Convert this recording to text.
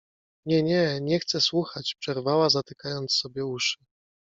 — Nie, nie… nie chcę słuchać — przerwała, zatykając sobie uszy.